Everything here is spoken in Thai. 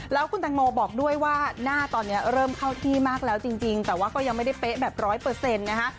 แล้วคุณแตงโมบอกด้วยว่าหน้าตอนนี้เริ่มเข้าที่มากแล้วจริงแต่ว่าก็ยังไม่ได้เป๊ะแบบร้อยเปอร์เซ็นต์นะคะ